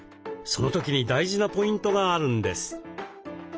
その時に大事なポイントがあるんです。